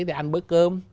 để ăn bữa cơm